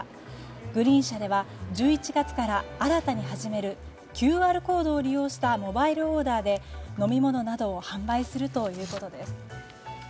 グリーン車では１１月から新たに始めるＱＲコードを利用したモバイルオーダーで飲み物などを販売するということです。